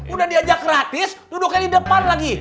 udah diajak gratis duduknya di depan lagi